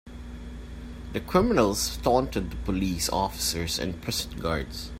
The criminals taunted the police officers and prison guards.